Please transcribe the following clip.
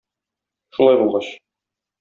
Шулай булгач...